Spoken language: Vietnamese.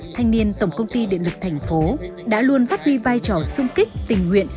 thanh niên tổng công ty điện lực tp hcm đã luôn phát bi vai trò xung kích tình nguyện